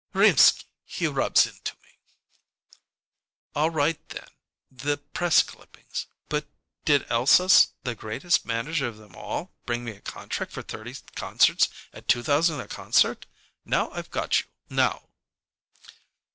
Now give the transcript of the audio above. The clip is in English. Rimsky he rubs into me!" "All right, then, the press clippings, but did Elsass, the greatest manager of them all, bring me a contract for thirty concerts at two thousand a concert? Now I've got you! Now!"